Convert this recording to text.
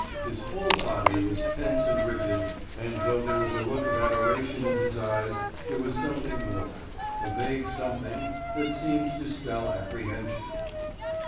His whole body was tense and rigid and though there was a look of adoration in his eyes there was something more—a vague something that seemed to spell apprehension.